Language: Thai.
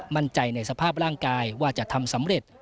มั่นใจในสภาพร่างกายว่าจะทำสำเร็จ